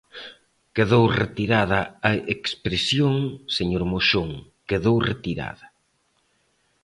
Quedou retirada a expresión, señor Moxón, quedou retirada.